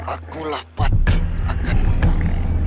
akulah patut akan mengurung